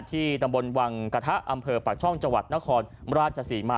ที่ตำบลวังกระทะอำเภอปากช่องจังหวัดนครราชศรีมา